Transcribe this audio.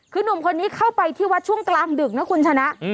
คือหนุ่มคนนี้เข้าไปที่วัดช่วงกลางดึกนะคุณชนะ